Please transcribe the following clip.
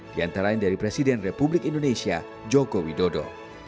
diantara dari presiden republik indonesia joko widodo